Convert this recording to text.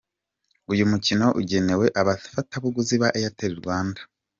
Uyu mukino ugenewe abafatabuguzi ba Airtel Rwanda.